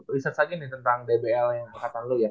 riset lagi nih tentang dbl yang